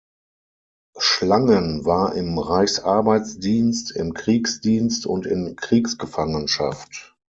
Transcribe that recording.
Schlangen war im Reichsarbeitsdienst, im Kriegsdienst und in Kriegsgefangenschaft.